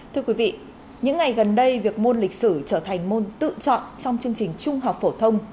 thưa quý vị những ngày gần đây việc môn lịch sử trở thành môn tự chọn trong chương trình trung học phổ thông